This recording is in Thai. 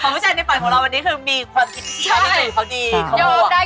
มันเป็นอะไร